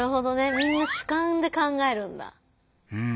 みんな主観で考えるんだ。